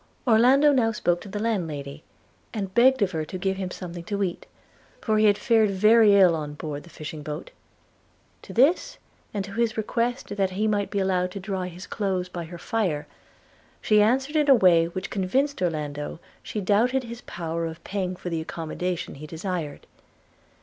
Orlando now spoke to the landlady, and begged of her to give him something to eat, for he had fared very ill on board the fishing boat. To this, and to his request that he might be allowed to dry his clothes by her fire, she answered in a way which convinced Orlando she doubted his power of paying for the accommodation he desired.